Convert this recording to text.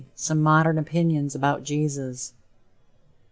SOME MODERN OPINIONS ABOUT JESUS.